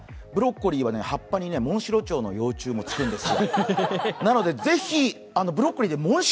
ブロッコリーは葉っぱにモンシロチョウの幼虫がつくんですよ。